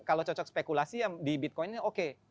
kalau cocok spekulasi ya di bitcoinnya oke